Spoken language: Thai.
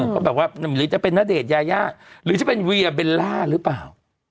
ก็แบบว่าหรือจะเป็นณเดชน์ยายาหรือจะเป็นเวียเบลล่าหรือเปล่า